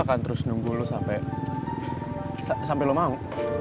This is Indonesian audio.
gue akan terus nunggu lo sampe lo mau